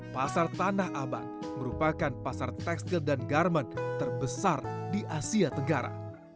pasar tanah abang merupakan pasar tekstil dan garmen terbesar di asia tenggara